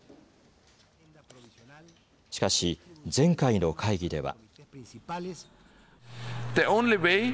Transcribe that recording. しかし、前回の会議では。